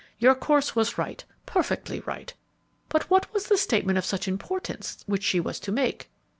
Your course was right, perfectly right. But what was the statement of such importance which she was to make?"